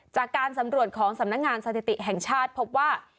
จากการสำรวจของสำนักงานสถิติแห่งชาติพบว่า